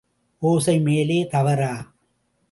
ஒசை மேலே தவறா?